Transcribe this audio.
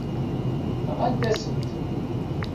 Nɣant-asen-t.